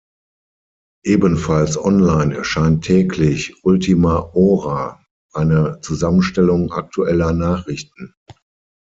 Ebenfalls online erscheint täglich "Última Hora", eine Zusammenstellung aktueller Nachrichten.